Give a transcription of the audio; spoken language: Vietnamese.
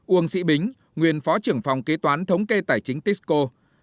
uông sĩ bính nguyên phó trưởng phòng kế toán thống kê tài chính tisco